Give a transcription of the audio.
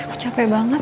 aku capek banget